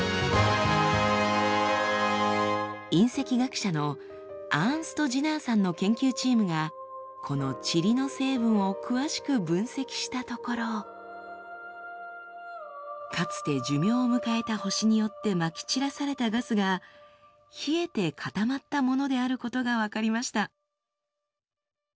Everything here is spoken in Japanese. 隕石学者のアーンスト・ジナーさんの研究チームがこの塵の成分を詳しく分析したところかつて寿命を迎えた星によってまき散らされたガスが冷えて固まったものであることが分かりました。